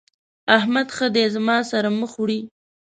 احمد ښه دی زما سره مخ وړي.